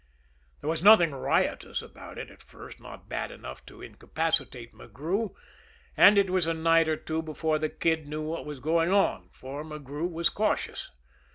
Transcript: There was nothing riotous about it at first, not bad enough to incapacitate McGrew; and it was a night or two before the Kid knew what was going on, for McGrew was cautious.